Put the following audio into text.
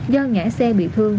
do ngã xe bị thương